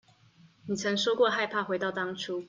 你曾說過害怕回到當初